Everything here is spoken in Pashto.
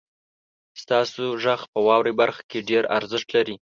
ستاسو غږ په واورئ برخه کې ډیر ارزښت لري.